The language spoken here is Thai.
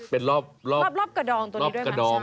เป็นรอบกระดองตัวนี้ด้วยมั้ง